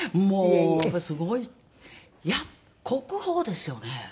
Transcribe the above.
もうすごいいや国宝ですよね。